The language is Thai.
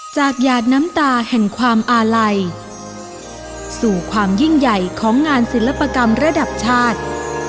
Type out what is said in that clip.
หยาดน้ำตาแห่งความอาลัยสู่ความยิ่งใหญ่ของงานศิลปกรรมระดับชาติ